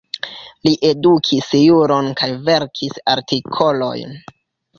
Li edukis juron kaj verkis artikolojn.